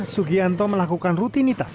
sugianto melakukan rutinitas